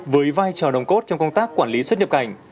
với vai trò đồng cốt trong công tác quản lý xuất nhập cảnh